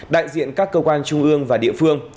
đại diện các cơ quan trung ương và địa phương